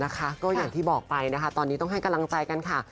ก็อย่างที่บอกไปนะคะตอนนี้ต้องให้กำลังใจกันค่ะ